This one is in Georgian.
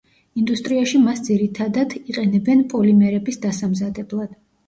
ინდუსტრიაში მას ძირითადათ იყენებენ პოლიმერების დასამზადებლად.